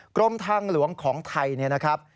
กรมทางหลวงของไทยเนี่ยนะครับ